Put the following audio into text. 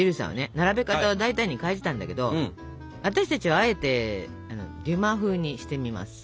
並べ方を大胆に変えてたんだけど私たちはあえてデュマ風にしてみますか？